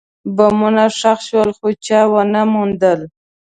بمونه ښخ شول، خو چا ونه موندل.